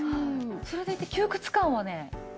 それでいて窮屈感はねないです。